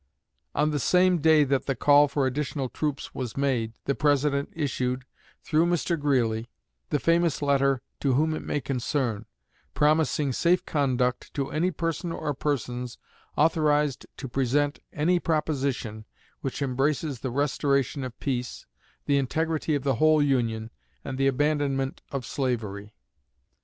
On the same day that the call for additional troops was made, the President issued, through Mr. Greeley, the famous letter, "To Whom It May Concern," promising safe conduct to any person or persons authorized to present "any proposition which embraces the restoration of peace, the integrity of the whole Union, and the abandonment of slavery."